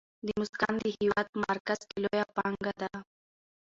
د مسو کان د هیواد په مرکز کې لویه پانګه ده.